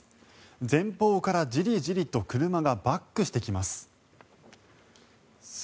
前方から、じりじりと車がバックしてきます。